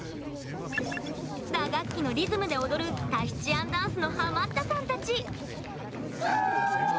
打楽器のリズムで踊るタヒチアンダンスのハマったさんたち。